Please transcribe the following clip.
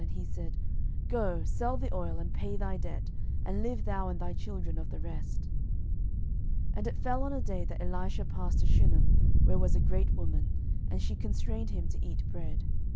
And he said, Go, sell the oil, and pay thy debt, and live thou and thy children of the rest. 12:004:008 And it fell on a day, that Elisha passed to Shunem, where was a great woman; and she constrained him to eat bread.